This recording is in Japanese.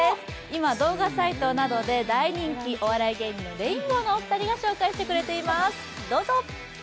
今、動画サイトなどで大人気、お笑いコンビのレインボーのお二人が紹介してくれています。